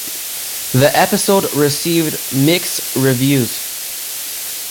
The episode received mixed reviews.